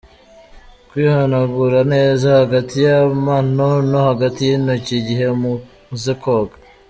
Kwihanagura neza hagati y’amano no hagati y’intoki igihe umaze koga.